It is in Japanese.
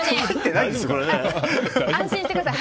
安心してください